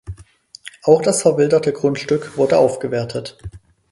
Auch das verwilderte Grundstück wurde aufgewertet.